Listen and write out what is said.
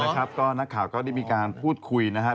นี่นะครับก็นักข่าวก็ได้มีการพูดคุยนะครับ